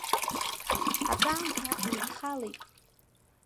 Акраамҭа еидхалеит.